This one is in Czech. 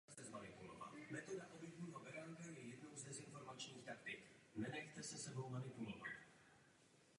Se Spartou získal třikrát ligový titul.